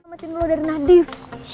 selamatin lo dari nadif